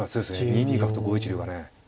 ２二角と５一竜がね